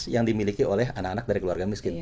yang dimiliki oleh anak anak dari keluarga miskin